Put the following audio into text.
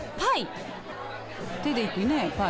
手でいくねパイ。